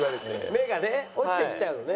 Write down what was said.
目がね落ちてきちゃうのね。